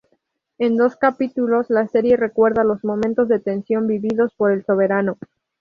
En dos capítulos, la serie recuerda los momentos de tensión vividos por el soberano.